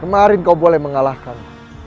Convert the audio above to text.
kemarin kau boleh mengalahkan